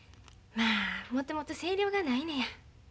まあもともと声量がないねや。